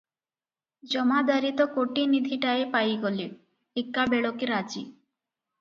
ଜମାଦାରେ ତ କୋଟିନିଧିଟାଏ ପାଇଗଲେ, ଏକା ବେଳକେ ରାଜି ।